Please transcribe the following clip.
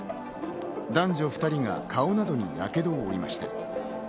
男女２人が顔などに火傷を負いました。